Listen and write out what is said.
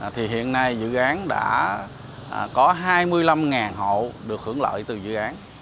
thì hiện nay dự án đã có hai mươi năm hộ được hưởng lợi từ dự án